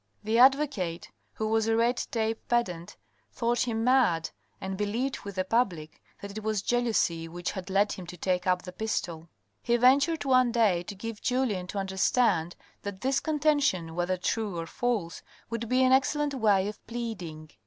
The advocate, who was a red tape pedant, thought him mad, and believed, with the public, that it was jealousy which had 49Q THE RED AND THE BLACK lead him to take up the pistol. He ventured one day to give Julien to understand that this contention, whether true or false, would be an excellent way of pleading.